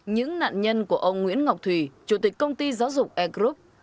những nạn nhân của ông nguyễn ngọc thùy chủ tịch công ty giáo dục e group